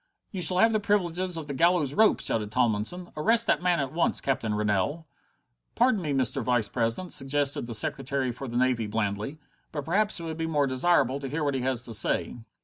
"You shall have the privileges of the gallows rope!" shouted Tomlinson. "Arrest that man at once, Captain Rennell!" "Pardon me, Mr. Vice president," suggested the Secretary for the Navy blandly, "but perhaps it would be more desirable to hear what he has to say."